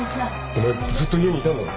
お前ずっと家にいたんだろ？